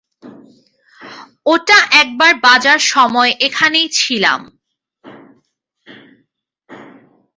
ওটা একবার বাজার সময় এখানেই ছিলাম।